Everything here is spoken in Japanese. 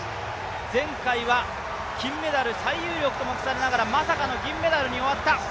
前回は金メダル最有力と目されながらまさかの銀メダルに終わった。